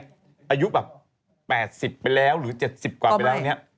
อายุแบบ๘๐ไปแล้วหรือ๗๐กว่าไปแล้วเนี่ย